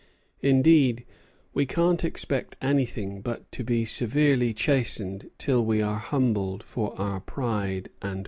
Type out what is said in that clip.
Indeed we can't expect anything but to be severely chastened till we are humbled for our pride and haughtiness."